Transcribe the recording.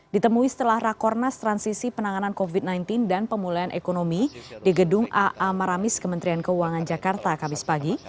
ditemui setelah rakornas transisi penanganan covid sembilan belas dan pemulihan ekonomi di gedung aa maramis kementerian keuangan jakarta kamis pagi